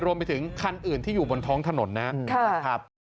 รวมไปถึงคันอื่นที่อยู่บนท้องถนนนะครับ